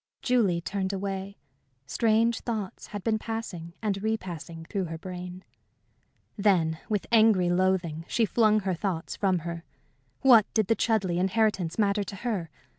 Julie turned away. Strange thoughts had been passing and repassing through her brain. Then, with angry loathing, she flung her thoughts from her. What did the Chudleigh inheritance matter to her?